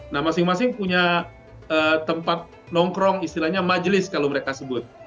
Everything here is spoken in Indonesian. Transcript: nah masing masing punya tempat nongkrong istilahnya majelis kalau mereka sebut